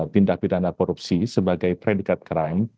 tindak pidana korupsi sebagai predikat crime